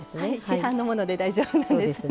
市販のもので大丈夫なんです。